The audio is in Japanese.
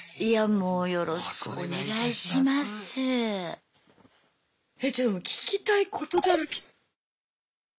いやもうよろしくお願いします。